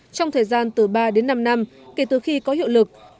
trong thời gian từ ba đến năm năm kể từ khi có hiệu lực